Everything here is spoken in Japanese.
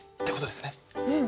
うん。